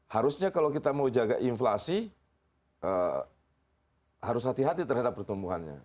harusnya kalau kita mau jaga inflasi harus hati hati terhadap pertumbuhannya